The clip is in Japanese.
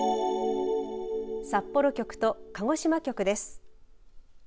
札幌局と鹿児島局です。